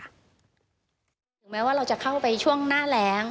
ถึงแม้ว่าเราจะเข้าไปช่วงหน้าแรง